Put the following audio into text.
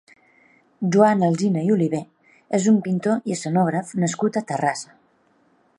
Joan Alsina i Oliver és un pintor i escenògraf nascut a Terrassa.